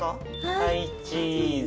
はいチーズ。